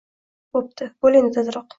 Boʻpti… Boʻl endi tezroq